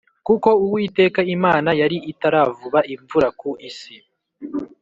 kuko Uwiteka Imana yari itaravuba imvura ku isi